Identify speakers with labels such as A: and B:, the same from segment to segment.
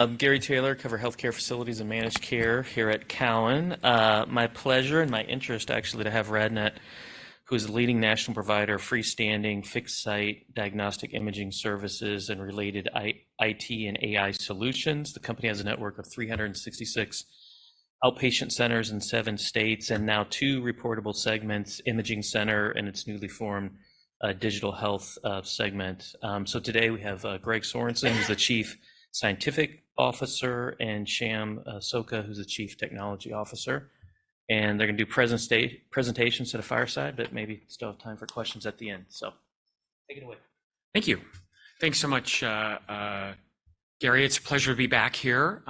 A: I'm Gary Taylor. I cover healthcare facilities and managed care here at Cowen. My pleasure and my interest, actually, to have RadNet, who is a leading national provider of freestanding, fixed-site diagnostic imaging services and related IT and AI solutions. The company has a network of 366 outpatient centers in seven states, and now two reportable segments, imaging center, and its newly formed digital health segment. So today we have Greg Sorensen, who's the Chief Scientific Officer, and Sham Sokka, who's the Chief Technology Officer. And they're gonna do presentations and a fireside, but maybe still have time for questions at the end. So take it away.
B: Thank you. Thanks so much, Gary. It's a pleasure to be back here.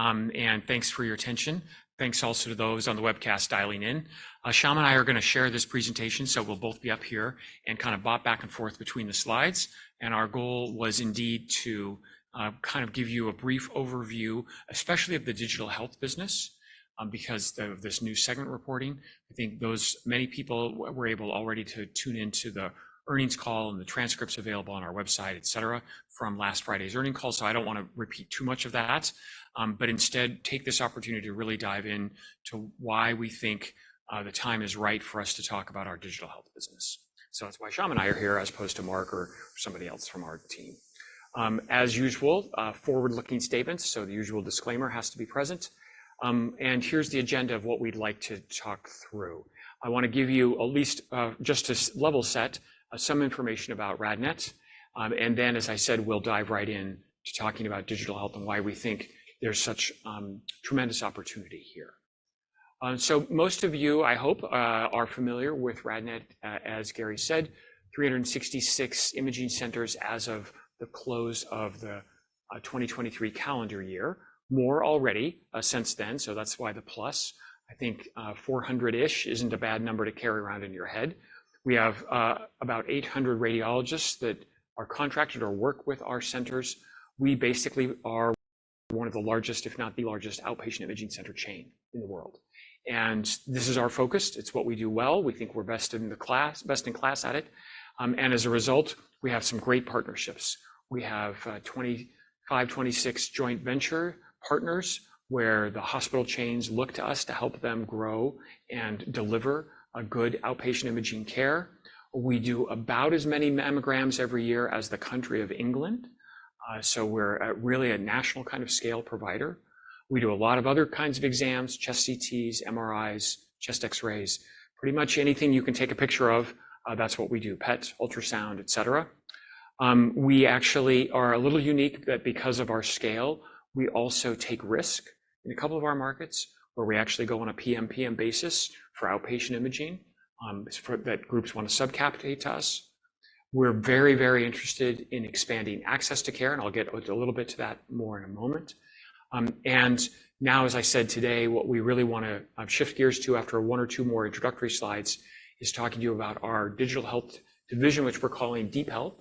B: Thanks for your attention. Thanks also to those on the webcast dialing in. Sham and I are gonna share this presentation, so we'll both be up here and kind of bop back and forth between the slides. Our goal was indeed to kind of give you a brief overview, especially of the digital health business, because of this new segment reporting. I think many people were able already to tune into the earnings call, and the transcript's available on our website, et cetera, from last Friday's earnings call, so I don't want to repeat too much of that. Instead, take this opportunity to really dive in to why we think the time is right for us to talk about our digital health business. So that's why Sham and I are here, as opposed to Mark or somebody else from our team. As usual, forward-looking statements, so the usual disclaimer has to be present. And here's the agenda of what we'd like to talk through. I wanna give you at least just to level set some information about RadNet. And then, as I said, we'll dive right in to talking about digital health and why we think there's such tremendous opportunity here. So most of you, I hope, are familiar with RadNet. As Gary said, 366 imaging centers as of the close of the 2023 calendar year. More already since then, so that's why the plus. I think 400-ish isn't a bad number to carry around in your head. We have about 800 radiologists that are contracted or work with our centers. We basically are one of the largest, if not the largest, outpatient imaging center chain in the world. This is our focus. It's what we do well. We think we're best in the class - best in class at it. As a result, we have some great partnerships. We have 25, 26 joint venture partners, where the hospital chains look to us to help them grow and deliver a good outpatient imaging care. We do about as many mammograms every year as the country of England, so we're at really a national kind of scale provider. We do a lot of other kinds of exams, chest CTs, MRIs, chest X-rays. Pretty much anything you can take a picture of, that's what we do, PET, ultrasound, et cetera. We actually are a little unique that because of our scale, we also take risk in a couple of our markets, where we actually go on a PMPM basis for outpatient imaging, for that groups want to sub-capitate to us. We're very, very interested in expanding access to care, and I'll get a little bit to that more in a moment. And now, as I said today, what we really wanna shift gears to, after one or two more introductory slides, is talking to you about our digital health division, which we're calling DeepHealth.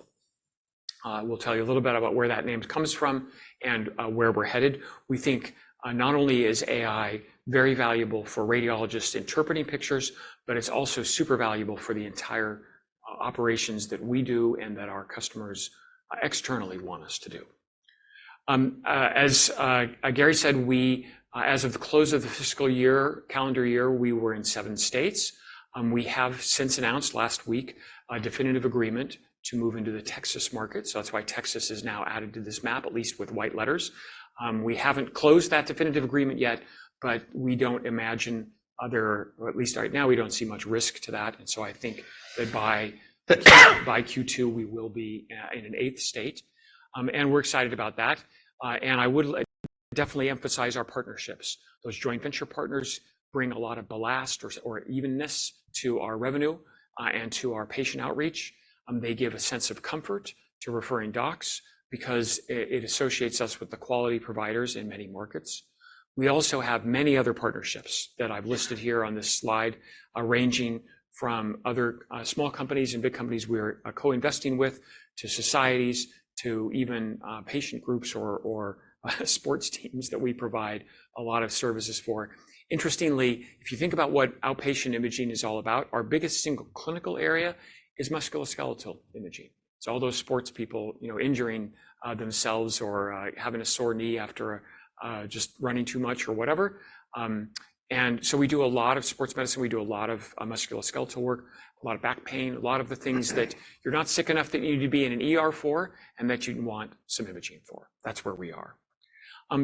B: We'll tell you a little bit about where that name comes from and where we're headed. We think not only is AI very valuable for radiologists interpreting pictures, but it's also super valuable for the entire operations that we do and that our customers externally want us to do. As Gary said, as of the close of the fiscal year, calendar year, we were in seven states. We have since announced last week a definitive agreement to move into the Texas market. So that's why Texas is now added to this map, at least with white letters. We haven't closed that definitive agreement yet, but we don't imagine, or at least right now, we don't see much risk to that, and so I think that by Q2, we will be in an eighth state, and we're excited about that. And I would like definitely emphasize our partnerships. Those joint venture partners bring a lot of ballast or evenness to our revenue, and to our patient outreach. They give a sense of comfort to referring docs because it associates us with the quality providers in many markets. We also have many other partnerships that I've listed here on this slide, ranging from other small companies and big companies we're co-investing with, to societies, to even patient groups or sports teams that we provide a lot of services for. Interestingly, if you think about what outpatient imaging is all about, our biggest single clinical area is musculoskeletal imaging. So all those sports people, you know, injuring themselves or having a sore knee after just running too much or whatever. And so we do a lot of sports medicine, we do a lot of musculoskeletal work, a lot of back pain, a lot of the things that you're not sick enough that you need to be in an ER for, and that you'd want some imaging for. That's where we are.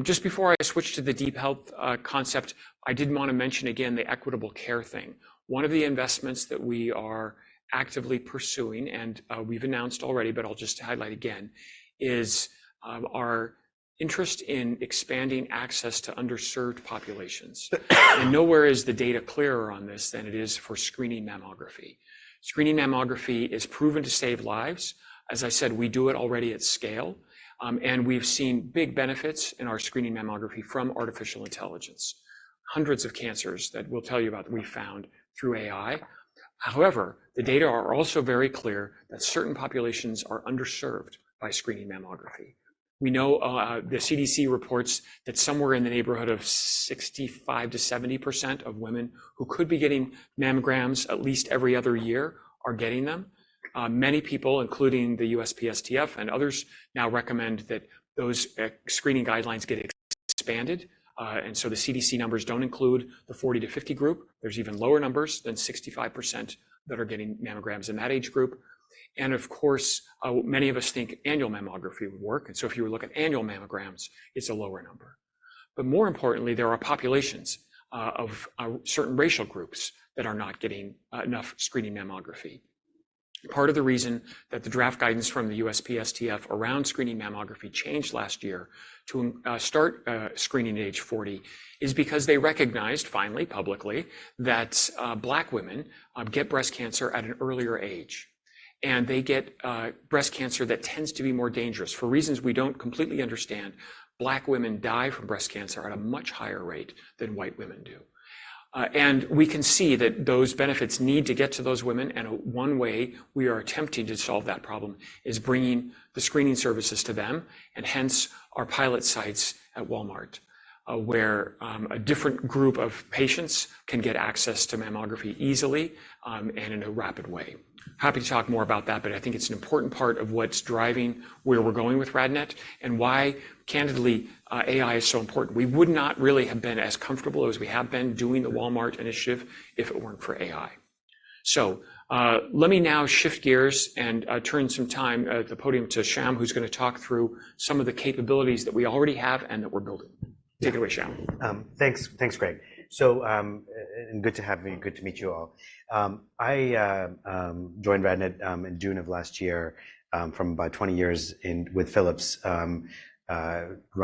B: Just before I switch to the DeepHealth concept, I did wanna mention again the equitable care thing. One of the investments that we are actively pursuing, and we've announced already, but I'll just highlight again, is our interest in expanding access to underserved populations. Nowhere is the data clearer on this than it is for screening mammography. Screening mammography is proven to save lives. As I said, we do it already at scale, and we've seen big benefits in our screening mammography from artificial intelligence. Hundreds of cancers that we'll tell you about, we found through AI. However, the data are also very clear that certain populations are underserved by screening mammography. We know, the CDC reports that somewhere in the neighborhood of 65%-70% of women who could be getting mammograms at least every other year are getting them. Many people, including the USPSTF and others, now recommend that those screening guidelines get expanded, and so the CDC numbers don't include the 40-50 group. There's even lower numbers than 65% that are getting mammograms in that age group. And of course, many of us think annual mammography would work, and so if you were looking at annual mammograms, it's a lower number. But more importantly, there are populations of certain racial groups that are not getting enough screening mammography. Part of the reason that the draft guidance from the USPSTF around screening mammography changed last year to start screening at age 40 is because they recognized, finally, publicly, that Black women get breast cancer at an earlier age, and they get breast cancer that tends to be more dangerous. For reasons we don't completely understand, Black women die from breast cancer at a much higher rate than white women do. And we can see that those benefits need to get to those women, and one way we are attempting to solve that problem is bringing the screening services to them, and hence our pilot sites at Walmart, where a different group of patients can get access to mammography easily, and in a rapid way. Happy to talk more about that, but I think it's an important part of what's driving where we're going with RadNet and why, candidly, AI is so important. We would not really have been as comfortable as we have been doing the Walmart initiative if it weren't for AI. So, let me now shift gears and turn some time at the podium to Sham, who's gonna talk through some of the capabilities that we already have and that we're building. Take it away, Sham.
C: Thanks. Thanks, Greg. So, and good to have me, good to meet you all. I joined RadNet in June of last year from about 20 years in with Philips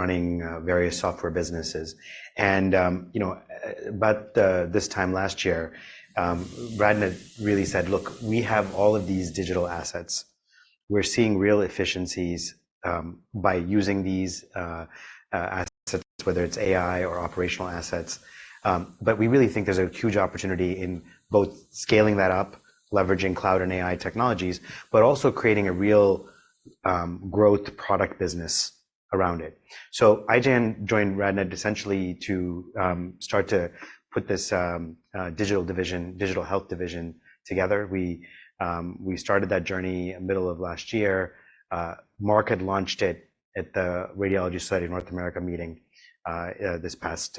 C: running various software businesses. You know, about this time last year, RadNet really said, "Look, we have all of these digital assets. We're seeing real efficiencies by using these assets, whether it's AI or operational assets, but we really think there's a huge opportunity in both scaling that up, leveraging cloud and AI technologies, but also creating a real growth product business around it." So I then joined RadNet essentially to start to put this digital division, digital health division together. We started that journey in middle of last year. Mark had launched it at the Radiological Society of North America meeting this past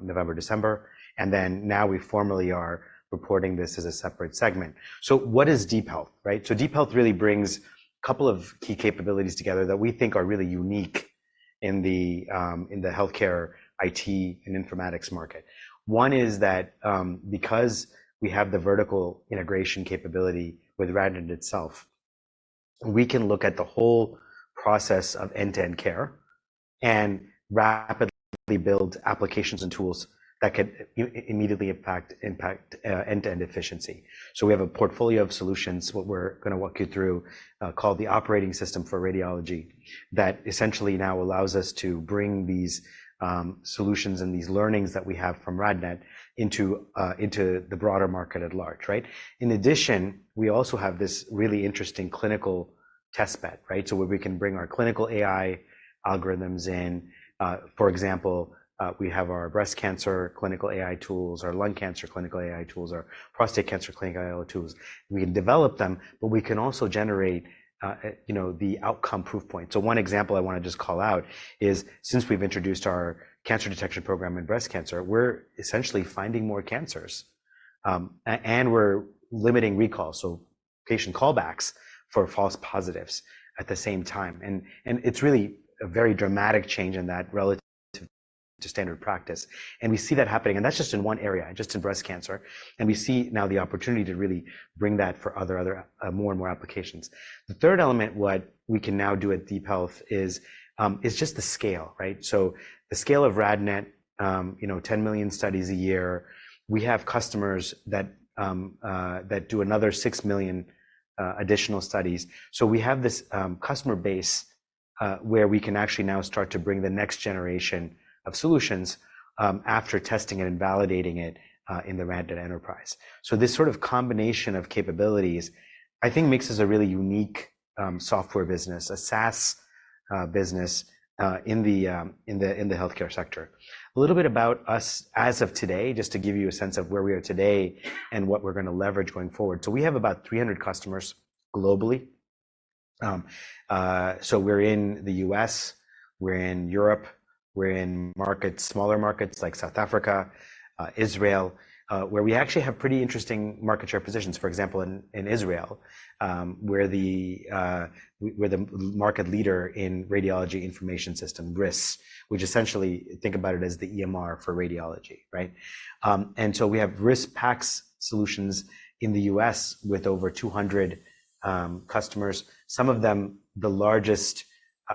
C: November, December, and then now we formally are reporting this as a separate segment. So what is DeepHealth, right? So DeepHealth really brings a couple of key capabilities together that we think are really unique in the healthcare IT and informatics market. One is that because we have the vertical integration capability with RadNet itself, we can look at the whole process of end-to-end care and rapidly build applications and tools that could immediately impact end-to-end efficiency. So we have a portfolio of solutions, what we're gonna walk you through, called the Operating System for Radiology, that essentially now allows us to bring these solutions and these learnings that we have from RadNet into the broader market at large, right? In addition, we also have this really interesting clinical test bed, right? So where we can bring our clinical AI algorithms in. For example, we have our breast cancer clinical AI tools, our lung cancer clinical AI tools, our prostate cancer clinical AI tools. We develop them, but we can also generate, you know, the outcome proof point. So one example I want to just call out is, since we've introduced our cancer detection program in breast cancer, we're essentially finding more cancers, and we're limiting recalls, so patient callbacks for false positives at the same time. It's really a very dramatic change in that relative to standard practice, and we see that happening, and that's just in one area, just in breast cancer. We see now the opportunity to really bring that for other, more and more applications. The third element, what we can now do at DeepHealth is just the scale, right? So the scale of RadNet, you know, 10 million studies a year, we have customers that that do another 6 million additional studies. So we have this customer base where we can actually now start to bring the next generation of solutions after testing it and validating it in the RadNet enterprise. So this sort of combination of capabilities, I think, makes us a really unique software business, a SaaS business in the healthcare sector. A little bit about us as of today, just to give you a sense of where we are today and what we're gonna leverage going forward. So we have about 300 customers globally. So we're in the U.S., we're in Europe, we're in smaller markets like South Africa, Israel, where we actually have pretty interesting market share positions. For example, in Israel, we're the market leader in radiology information system, RIS, which essentially, think about it as the EMR for radiology, right? So we have RIS PACS solutions in the U.S. with over 200 customers, some of them the largest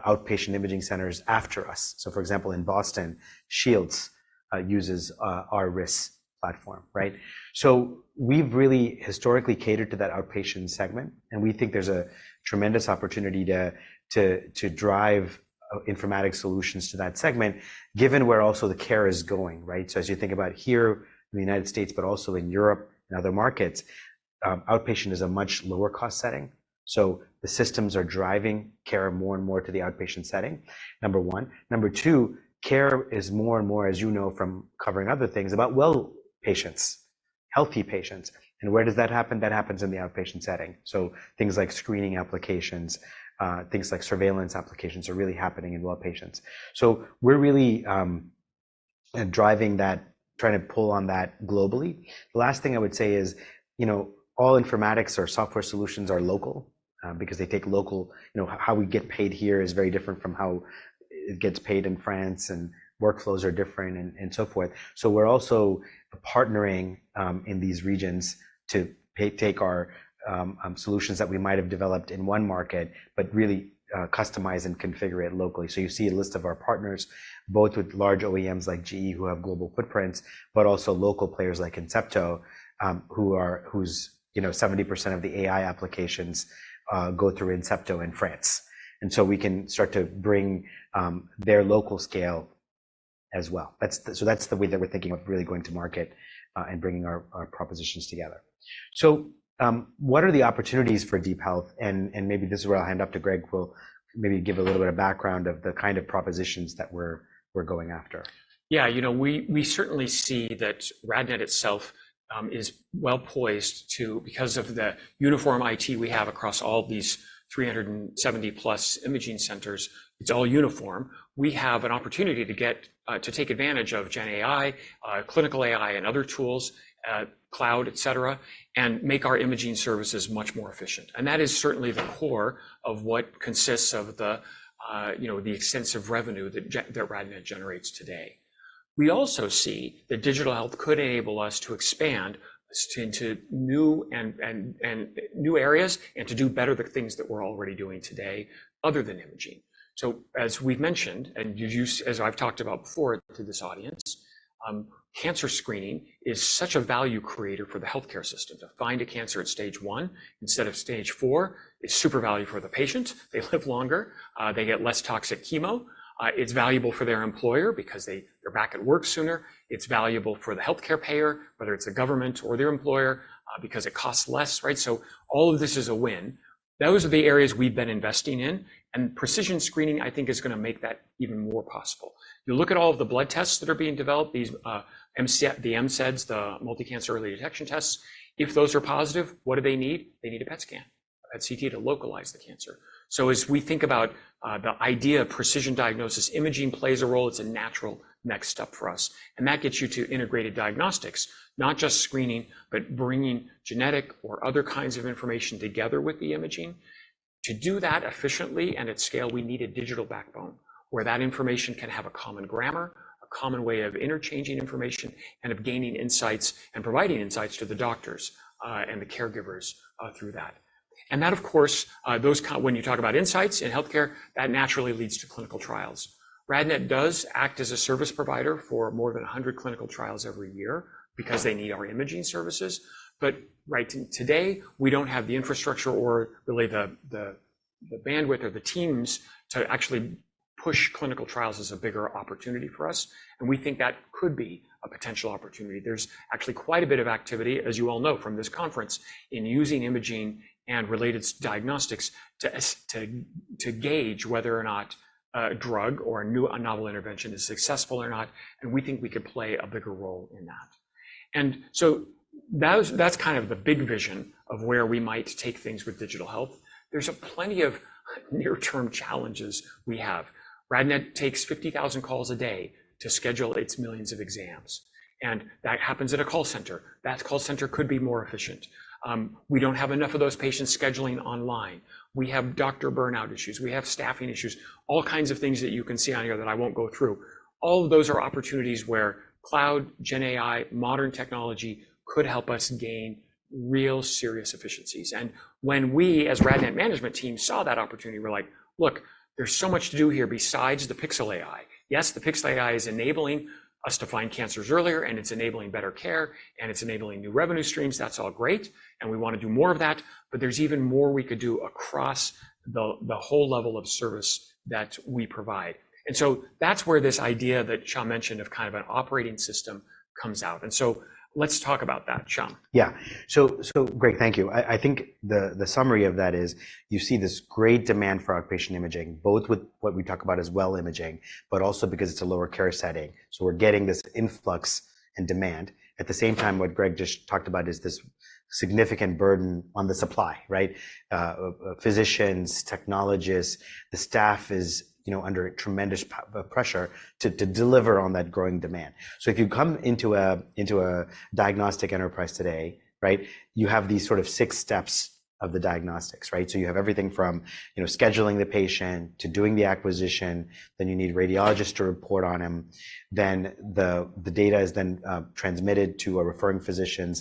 C: outpatient imaging centers after us. For example, in Boston, Shields uses our RIS platform, right? We've really historically catered to that outpatient segment, and we think there's a tremendous opportunity to drive informatics solutions to that segment, given where also the care is going, right? As you think about here in the United States, but also in Europe and other markets, outpatient is a much lower cost setting, so the systems are driving care more and more to the outpatient setting, number one. Number two, care is more and more, as you know from covering other things, about healthy patients. And where does that happen? That happens in the outpatient setting. So things like screening applications, things like surveillance applications are really happening in well patients. So we're really driving that, trying to pull on that globally. The last thing I would say is, you know, all informatics or software solutions are local, because they take local. You know, how we get paid here is very different from how it gets paid in France, and workflows are different and so forth. So we're also partnering in these regions to take our solutions that we might have developed in one market, but really customize and configure it locally. So you see a list of our partners, both with large OEMs like GE, who have global footprints, but also local players like Incepto, whose 70% of the AI applications go through Incepto in France. And so we can start to bring their local scale as well. That's the way that we're thinking of really going to market and bringing our propositions together. So, what are the opportunities for DeepHealth? And maybe this is where I'll hand off to Greg, who will maybe give a little bit of background of the kind of propositions that we're going after.
B: Yeah, you know, we certainly see that RadNet itself is well poised to, because of the uniform IT we have across all these 370+ imaging centers, it's all uniform. We have an opportunity to get to take advantage of Gen AI, clinical AI and other tools, cloud, et cetera, and make our imaging services much more efficient. And that is certainly the core of what consists of the, you know, the extensive revenue that RadNet generates today. We also see that digital health could enable us to expand into new and new areas, and to do better the things that we're already doing today other than imaging. So, as we've mentioned, as I've talked about before to this audience, cancer screening is such a value creator for the healthcare system. To find a cancer at stage one instead of stage four is super value for the patient. They live longer. They get less toxic chemo. It's valuable for their employer because they, they're back at work sooner. It's valuable for the healthcare payer, whether it's the government or their employer, because it costs less, right? So all of this is a win. Those are the areas we've been investing in, and precision screening, I think, is gonna make that even more possible. You look at all of the blood tests that are being developed, these MCEDs, the multi-cancer early detection tests. If those are positive, what do they need? They need a PET scan, a CT to localize the cancer. So as we think about the idea of precision diagnosis, imaging plays a role. It's a natural next step for us, and that gets you to integrated diagnostics, not just screening, but bringing genetic or other kinds of information together with the imaging. To do that efficiently and at scale, we need a digital backbone, where that information can have a common grammar, a common way of interchanging information, and of gaining insights and providing insights to the doctors and the caregivers through that. And that, of course, when you talk about insights in healthcare, that naturally leads to clinical trials. RadNet does act as a service provider for more than 100 clinical trials every year because they need our imaging services. But right today, we don't have the infrastructure or really the bandwidth or the teams to actually push clinical trials as a bigger opportunity for us, and we think that could be a potential opportunity. There's actually quite a bit of activity, as you all know from this conference, in using imaging and related diagnostics to gauge whether or not a drug or a novel intervention is successful or not, and we think we could play a bigger role in that. And so that's kind of the big vision of where we might take things with digital health. There's plenty of near-term challenges we have. RadNet takes 50,000 calls a day to schedule its millions of exams, and that happens at a call center. That call center could be more efficient. We don't have enough of those patients scheduling online. We have doctor burnout issues. We have staffing issues. All kinds of things that you can see on here that I won't go through. All of those are opportunities where cloud, Gen AI, modern technology could help us gain real serious efficiencies. And when we, as RadNet management team, saw that opportunity, we're like: Look, there's so much to do here besides the pixel AI. Yes, the pixel AI is enabling us to find cancers earlier, and it's enabling better care, and it's enabling new revenue streams. That's all great, and we want to do more of that, but there's even more we could do across the whole level of service that we provide. And so that's where this idea that Sham mentioned of kind of an operating system comes out. And so let's talk about that, Sham.
C: Yeah. So, Greg, thank you. I think the summary of that is you see this great demand for outpatient imaging, both with what we talk about as well imaging, but also because it's a lower care setting. So we're getting this influx in demand. At the same time, what Greg just talked about is this significant burden on the supply, right? Physicians, technologists, the staff is, you know, under tremendous pressure to deliver on that growing demand. So if you come into a diagnostic enterprise today, right, you have these sort of six steps of the diagnostics, right? So you have everything from, you know, scheduling the patient to doing the acquisition. Then you need a radiologist to report on him. Then the data is then transmitted to a referring physician.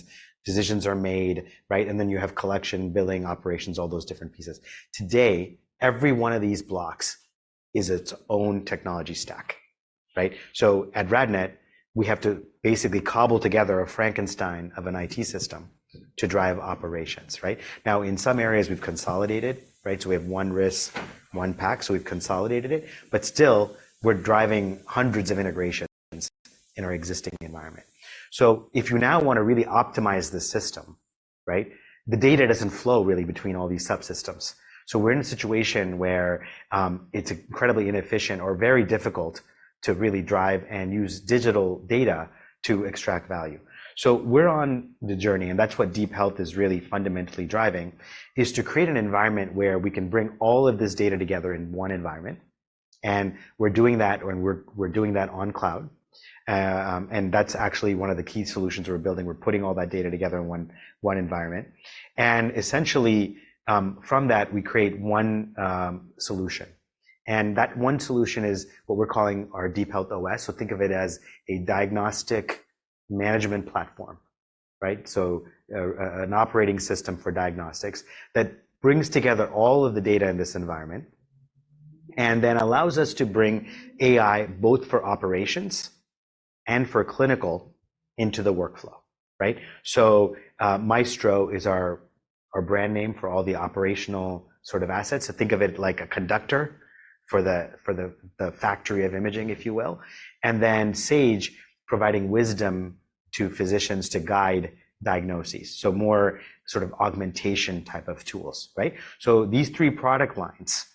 C: Decisions are made, right? Then you have collection, billing, operations, all those different pieces. Today, every one of these blocks is its own technology stack, right? So at RadNet, we have to basically cobble together a Frankenstein of an IT system to drive operations, right? Now, in some areas, we've consolidated, right? So we have one RIS, one PACS, so we've consolidated it, but still, we're driving hundreds of integrations in our existing environment. So if you now want to really optimize the system, right? The data doesn't flow really between all these subsystems. So we're in a situation where it's incredibly inefficient or very difficult to really drive and use digital data to extract value. We're on the journey, and that's what DeepHealth is really fundamentally driving, is to create an environment where we can bring all of this data together in one environment, and we're doing that, and we're doing that on cloud. That's actually one of the key solutions we're building. We're putting all that data together in one environment. Essentially, from that we create one solution, and that one solution is what we're calling our DeepHealth OS. So think of it as a diagnostic management platform, right? Maestro is our brand name for all the operational sort of assets. So think of it like a conductor for the factory of imaging, if you will. And then Sage, providing wisdom to physicians to guide diagnoses, so more sort of augmentation type of tools, right? So these three product lines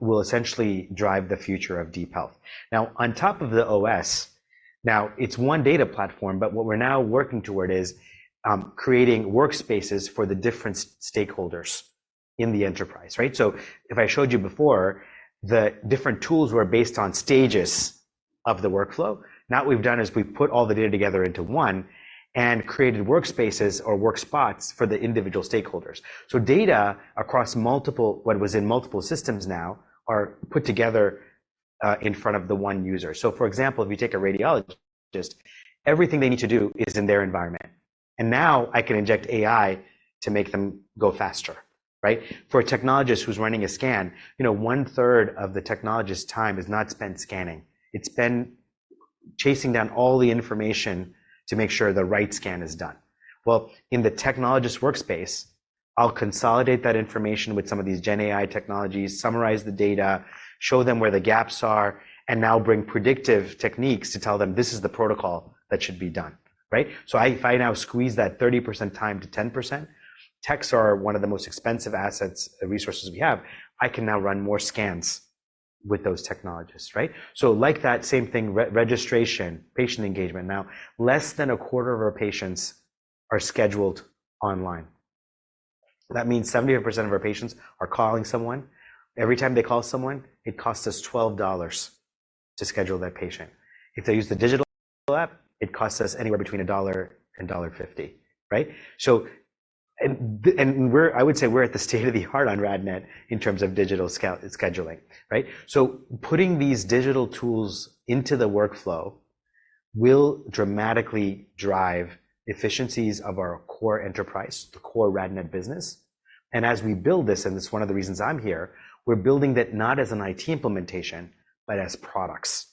C: will essentially drive the future of DeepHealth. Now, on top of the OS, it's one data platform, but what we're now working toward is creating workspaces for the different stakeholders in the enterprise, right? So if I showed you before, the different tools were based on stages of the workflow. Now what we've done is we've put all the data together into one and created workspaces or work spots for the individual stakeholders. So data across multiple—what was in multiple systems now are put together in front of the one user. So for example, if you take a radiologist, everything they need to do is in their environment, and now I can inject AI to make them go faster, right? For a technologist who's running a scan, you know, one-third of the technologist's time is not spent scanning. It's been chasing down all the information to make sure the right scan is done. Well, in the technologist's workspace, I'll consolidate that information with some of these Gen AI technologies, summarize the data, show them where the gaps are, and now bring predictive techniques to tell them, this is the protocol that should be done, right? So if I now squeeze that 30% time to 10%, techs are one of the most expensive assets and resources we have, I can now run more scans with those technologists, right? So like that same thing, re-registration, patient engagement. Now, less than a quarter of our patients are scheduled online. That means 78% of our patients are calling someone. Every time they call someone, it costs us $12 to schedule that patient. If they use the digital app, it costs us anywhere between $1 and $1.50, right? So, and we're—I would say we're at the state-of-the-art on RadNet in terms of digital scout scheduling, right? So putting these digital tools into the workflow will dramatically drive efficiencies of our core enterprise, the core RadNet business. And as we build this, and it's one of the reasons I'm here, we're building it not as an IT implementation, but as products,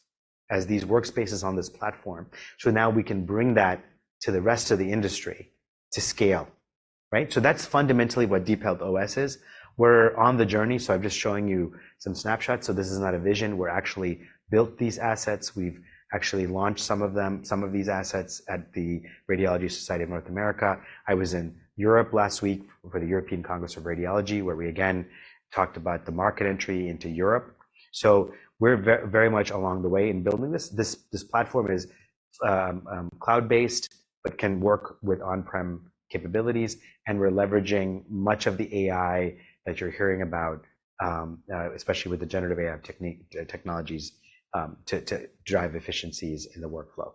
C: as these workspaces on this platform. So now we can bring that to the rest of the industry to scale, right? So that's fundamentally what DeepHealth OS is. We're on the journey, so I'm just showing you some snapshots. This is not a vision. We're actually built these assets. We've actually launched some of them, some of these assets, at the Radiological Society of North America. I was in Europe last week for the European Congress of Radiology, where we again talked about the market entry into Europe. So we're very much along the way in building this. This platform is cloud-based, but can work with on-prem capabilities, and we're leveraging much of the AI that you're hearing about, especially with the generative AI technologies, to drive efficiencies in the workflow.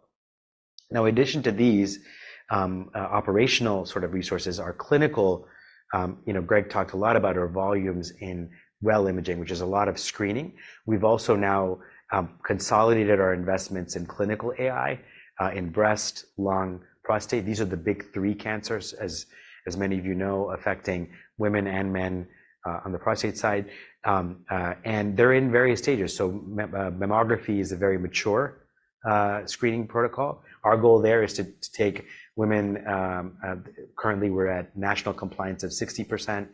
C: Now, in addition to these operational sort of resources, our clinical, you know, Greg talked a lot about our volumes in, well, imaging, which is a lot of screening. We've also now consolidated our investments in clinical AI in breast, lung, prostate. These are the big three cancers as many of you know, affecting women and men on the prostate side. They're in various stages. Mammography is a very mature screening protocol. Our goal there is to take women, currently, we're at national compliance of 60%,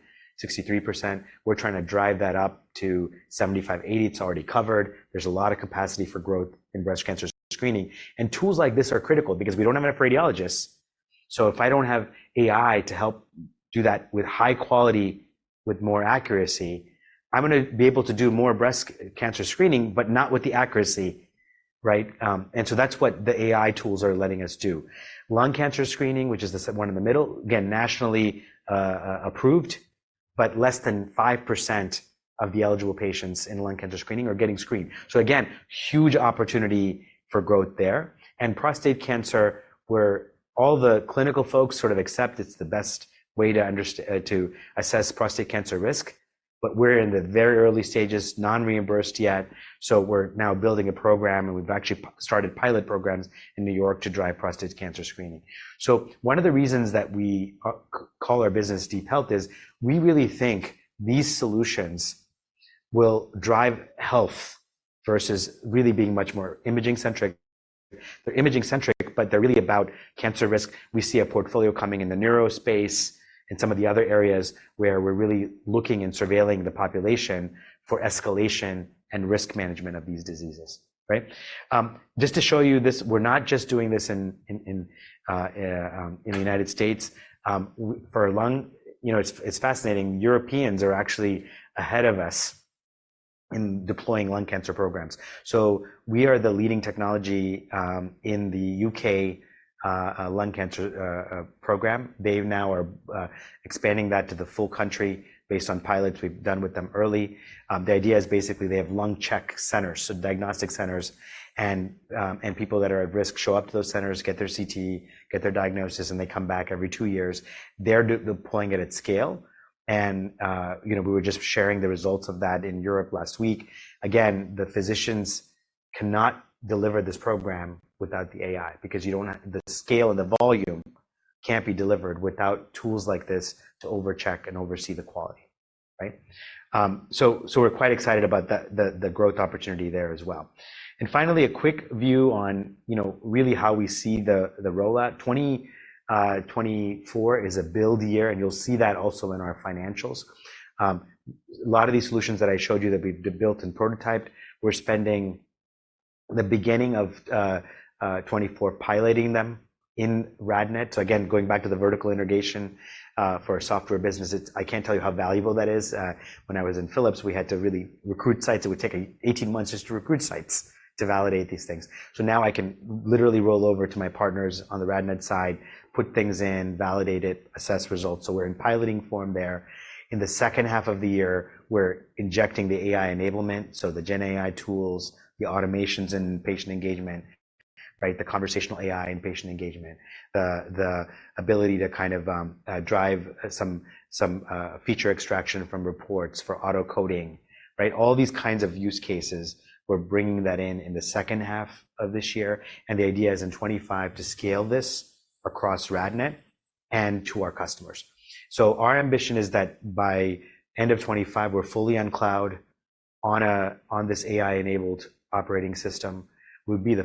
C: 63%. We're trying to drive that up to 75%-80%. It's already covered. There's a lot of capacity for growth in breast cancer screening, and tools like this are critical because we don't have enough radiologists. If I don't have AI to help do that with high quality, with more accuracy, I'm gonna be able to do more breast cancer screening, but not with the accuracy, right? And so that's what the AI tools are letting us do. Lung cancer screening, which is the one in the middle, again, nationally approved, but less than 5% of the eligible patients in lung cancer screening are getting screened. So again, huge opportunity for growth there. And prostate cancer, where all the clinical folks sort of accept it's the best way to assess prostate cancer risk, but we're in the very early stages, non-reimbursed yet. So we're now building a program, and we've actually started pilot programs in New York to drive prostate cancer screening. So one of the reasons that we call our business DeepHealth is we really think these solutions will drive health versus really being much more imaging-centric. They're imaging-centric, but they're really about cancer risk. We see a portfolio coming in the neuro space-... And some of the other areas where we're really looking and surveilling the population for escalation and risk management of these diseases, right? Just to show you this, we're not just doing this in the United States. You know, it's fascinating. Europeans are actually ahead of us in deploying lung cancer programs. So we are the leading technology in the UK lung cancer program. They now are expanding that to the full country based on pilots we've done with them early. The idea is basically they have lung check centers, so diagnostic centers, and people that are at risk show up to those centers, get their CT, get their diagnosis, and they come back every two years. They're deploying it at scale, and, you know, we were just sharing the results of that in Europe last week. Again, the physicians cannot deliver this program without the AI, because you don't have the scale and the volume can't be delivered without tools like this to overcheck and oversee the quality, right? So we're quite excited about the growth opportunity there as well. Finally, a quick view on, you know, really how we see the rollout. 2024 is a build year, and you'll see that also in our financials. A lot of these solutions that I showed you that we've built and prototyped, we're spending the beginning of 2024 piloting them in RadNet. So again, going back to the vertical integration, for our software business, it's I can't tell you how valuable that is. When I was in Philips, we had to really recruit sites. It would take 18 months just to recruit sites to validate these things. So now I can literally roll over to my partners on the RadNet side, put things in, validate it, assess results. So we're in piloting form there. In the second half of the year, we're injecting the AI enablement, so the gen AI tools, the automations in patient engagement, right? The conversational AI and patient engagement, the ability to kind of drive some feature extraction from reports for auto coding, right? All these kinds of use cases, we're bringing that in in the second half of this year, and the idea is in 2025 to scale this across RadNet and to our customers. So our ambition is that by end of 2025, we're fully on cloud on this AI-enabled operating system. We'll be the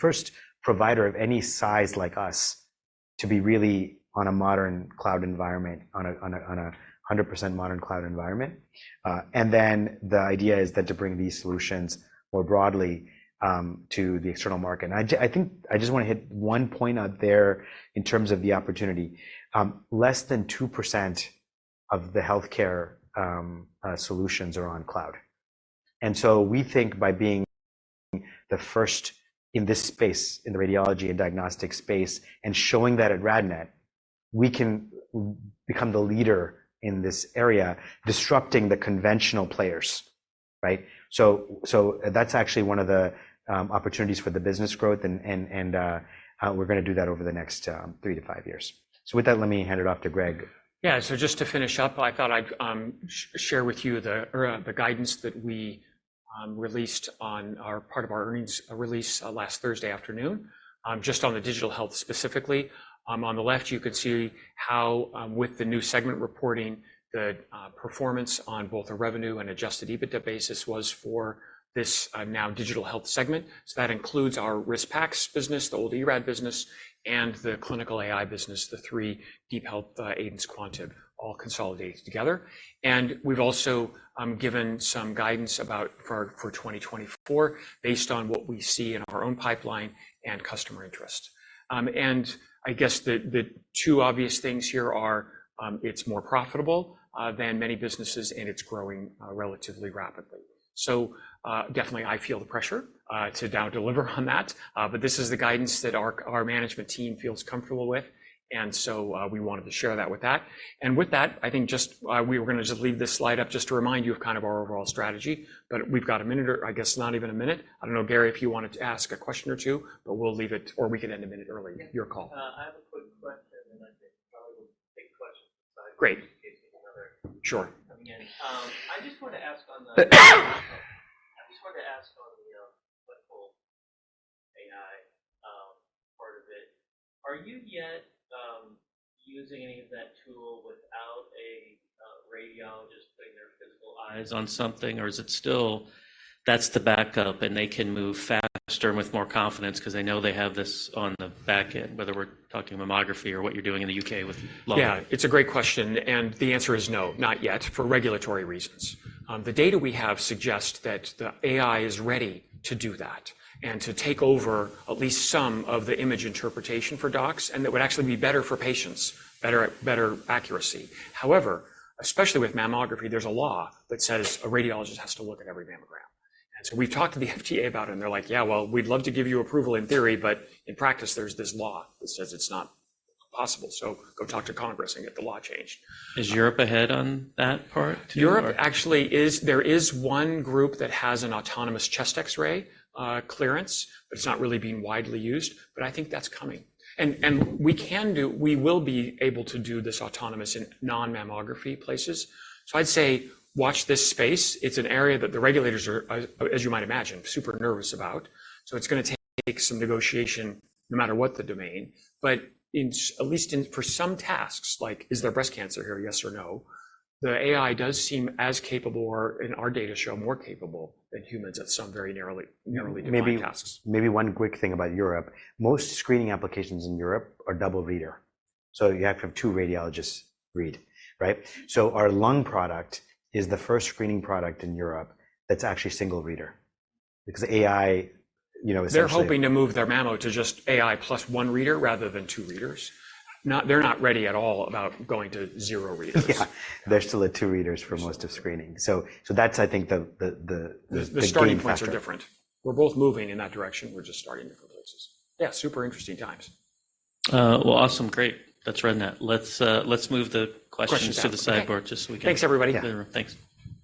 C: first provider of any size like us to be really on a modern cloud environment, on a 100% modern cloud environment. And then the idea is that to bring these solutions more broadly to the external market. And I think I just want to hit one point out there in terms of the opportunity. Less than 2% of the healthcare solutions are on cloud. And so we think by being the first in this space, in the radiology and diagnostic space, and showing that at RadNet, we can become the leader in this area, disrupting the conventional players, right? So, that's actually one of the opportunities for the business growth, and we're gonna do that over the next 3-5 years. So with that, let me hand it off to Greg.
B: Yeah. So just to finish up, I thought I'd share with you the guidance that we released as part of our earnings release last Thursday afternoon, just on the digital health specifically. On the left, you can see how, with the new segment reporting, the performance on both the revenue and adjusted EBITDA basis was for this now digital health segment. So that includes our RIS PACS business, the old eRAD business, and the clinical AI business, the three DeepHealth, Aidence, Quantib all consolidated together. And we've also given some guidance for 2024 based on what we see in our own pipeline and customer interest. And I guess the two obvious things here are, it's more profitable than many businesses, and it's growing relatively rapidly. So, definitely, I feel the pressure to now deliver on that. But this is the guidance that our management team feels comfortable with, and so, we wanted to share that with that. With that, I think just we were gonna just leave this slide up just to remind you of kind of our overall strategy. But we've got a minute, or I guess not even a minute. I don't know, Gary, if you wanted to ask a question or two, but we'll leave it, or we can end a minute early. Your call.
A: Yeah, I have a quick question, and I think probably we'll take questions aside-
B: Great
A: in case another
B: Sure...
A: coming in. I just wanted to ask on the clinical AI part of it. Are you yet using any of that tool without a radiologist putting their physical eyes on something, or is it still that's the backup, and they can move faster with more confidence because they know they have this on the back end, whether we're talking mammography or what you're doing in the UK with lung?
B: Yeah, it's a great question, and the answer is no, not yet, for regulatory reasons. The data we have suggest that the AI is ready to do that and to take over at least some of the image interpretation for docs, and that would actually be better for patients, better, better accuracy. However, especially with mammography, there's a law that says a radiologist has to look at every mammogram. And so we've talked to the FDA about it, and they're like: Yeah, well, we'd love to give you approval in theory, but in practice, there's this law that says it's not possible, so go talk to Congress and get the law changed.
A: Is Europe ahead on that part?
B: Europe actually is. There is one group that has an autonomous chest X-ray clearance, but it's not really being widely used, but I think that's coming. And we can do. We will be able to do this autonomous in non-mammography places. So I'd say watch this space. It's an area that the regulators are, as you might imagine, super nervous about. So it's gonna take some negotiation no matter what the domain. But at least in, for some tasks, like, "Is there breast cancer here, yes or no?" The AI does seem as capable, or in our data, show more capable than humans at some very narrowly defined tasks.
C: Maybe, maybe one quick thing about Europe. Most screening applications in Europe are double reader, so you have to have two radiologists read, right? So our lung product is the first screening product in Europe that's actually single reader, because AI, you know, essentially-
B: They're hoping to move their mammo to just AI plus one reader rather than two readers. They're not ready at all about going to zero readers.
C: Yeah. They're still at 2 readers for most of screening. So that's, I think, the good factor.
B: The starting points are different. We're both moving in that direction. We're just starting different places. Yeah, super interesting times.
A: Well, awesome. Great. That's RadNet. Let's move the questions-
B: Questions...
A: to the sidebar just so we can-
B: Thanks, everybody...
A: Yeah, thanks.